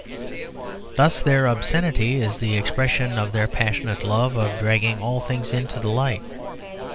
Thus their obscenity is the expression of their passionate love of dragging all things into the light.